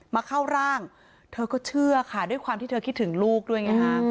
มาเข้าร่างเธอก็เชื่อค่ะด้วยความที่เธอคิดถึงลูกด้วยไงฮะ